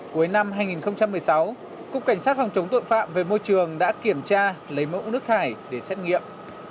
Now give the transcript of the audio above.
cuối năm hai nghìn một mươi sáu cục cảnh sát phòng chống tội phạm về môi trường đã kiểm tra lấy mẫu nước thải để xét nghiệm